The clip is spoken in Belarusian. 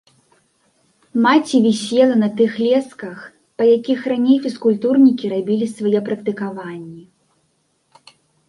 Маці вісела на тых лесках, па якіх раней фізкультурнікі рабілі свае практыкаванні.